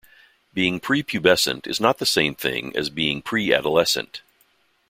Being prepubescent is not the same thing as being preadolescent.